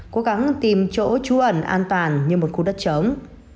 cố gắng tìm chỗ trú ẩn an toàn như một khu đất trống